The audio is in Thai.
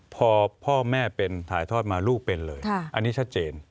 พอพ่อแม่เป็นถ่ายทอดมาลูกเป็นเลยอันนี้ชัดเจน